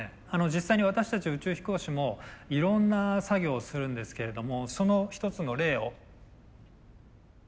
実際に私たち宇宙飛行士もいろんな作業をするんですけれどもその一つの例を。